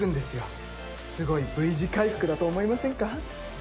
すごいＶ字回復だと思いませんか？